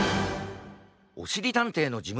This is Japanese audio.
おしりたんていのじむ